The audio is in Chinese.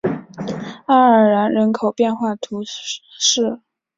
阿尔然人口变化图示